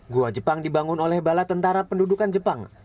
gua jepang dibangun oleh bala tentara pendudukan jepang